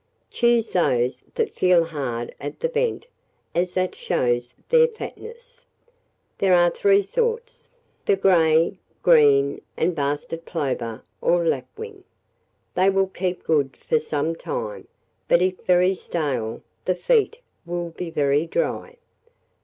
Choose those that feel hard at the vent, as that shows their fatness. There are three sorts, the grey, green, and bastard plover, or lapwing. They will keep good for some time, but if very stale, the feet will be very dry.